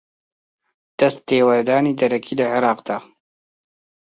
دەستێوەردانی دەرەکی لە عێراقدا